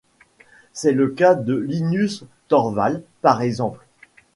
C'est le cas de Linus Torvalds, par exemple.